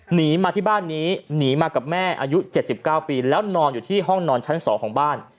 หนีมาที่บ้านนี้หนีมากับแม่อายุ๗๙ปีแล้วนอนอยู่ที่ห้องนอนชั้น๒ของบ้าน